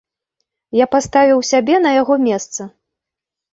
Я паставіў сябе на яго месца.